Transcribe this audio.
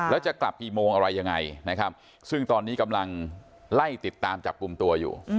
แล้วจะกลับกี่โมงอะไรยังไงนะครับซึ่งตอนนี้กำลังไล่ติดตามจับกลุ่มตัวอยู่